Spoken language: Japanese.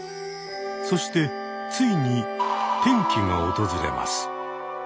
そしてついに転機が訪れます。